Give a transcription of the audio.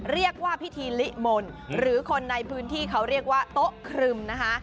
เรียกว่าพิธีลิมนต์หรือคนในพื้นที่เขาเรียกว่าโต๊ะครึมนะคะ